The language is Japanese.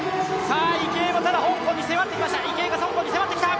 池江も香港に迫ってきました。